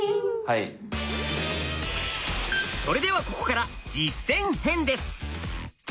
それではここから実践編です。